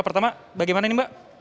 pertama bagaimana ini mbak